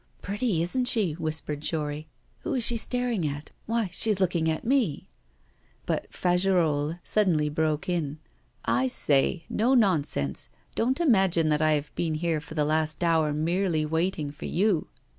'Pretty, isn't she?' whispered Jory. 'Who is she staring at? Why, she's looking at me.' But Fagerolles suddenly broke in: 'I say, no nonsense. Don't imagine that I have been here for the last hour merely waiting for you.